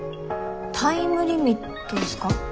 タイムリミットっすか？